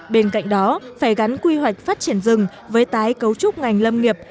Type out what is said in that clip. bên cạnh đó phải gắn quy hoạch phát triển rừng với tái cấu trúc ngành lâm nghiệp